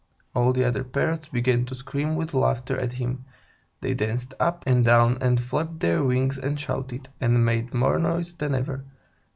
All the other Parrots began to scream with laughter at him; they danced up and down and flapped their wings and shouted, and made more noise than ever.